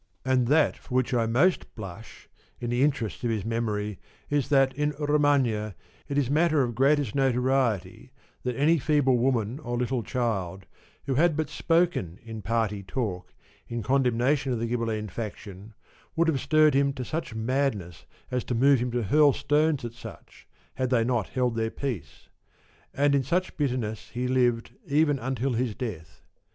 And that for which I most blush, in the interest of his memory, is that in Romagna it is matter of greatest notoriety that any feeble woman or little child who had but spoken, in party talk, in condemnation of the Ghibelline faction would have stirred him to such madness as to move him to hurl stones at such, had they not held their peace ; and in such bitterness he lived even until his death.